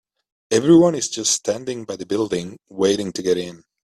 Everyone is just standing by the building, waiting to get in.